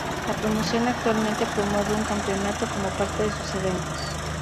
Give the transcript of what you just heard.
La promoción actualmente promueve un campeonato como parte de sus eventos.